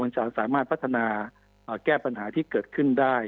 จะสามารถพัฒนาแก้ปัญหาที่เกิดขึ้นได้